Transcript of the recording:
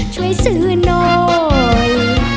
ช่วยซื้อหน่อย